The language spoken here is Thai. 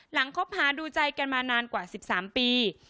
คบหาดูใจกันมานานกว่า๑๓ปี